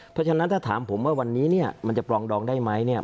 เพราะฉะนั้นถ้าถามผมว่าวันนี้เนี่ยมันจะปรองดองได้ไหมเนี่ย